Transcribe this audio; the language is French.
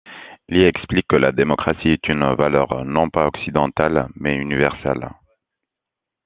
Il y explique que la démocratie est une valeur non pas occidentale mais universelle.